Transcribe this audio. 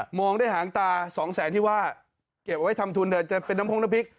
มองด้วยหางตาสองแสนที่ว่าเก็บไว้ทำทุนเถอะจะเป็นน้ำพงน้ำพริก